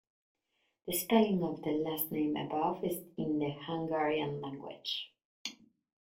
The spelling of the last name above is in the Hungarian language.